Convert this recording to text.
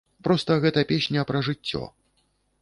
Проста гэта песня пра жыццё.